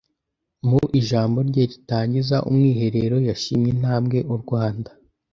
mu ijambo rye ritangiza umwiherero yashimye intambwe u rwanda